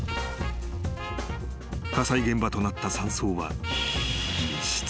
［火災現場となった山荘は密室］